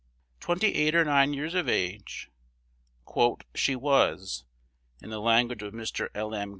Twenty eight or nine years of age, "she was," in the language of Mr. L. M.